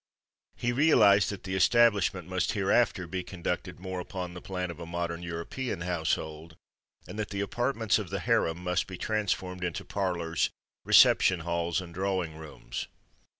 He realized that the establishment must hereafter be conducted more upon the plan of a modern European household, and that the apartments of the harem must be transformed into parlors, reception halls and drawing rooms.